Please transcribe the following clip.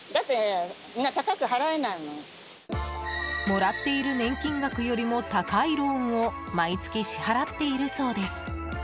もらっている年金額よりも高いローンを毎月、支払っているそうです。